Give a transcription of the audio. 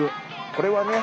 これはね。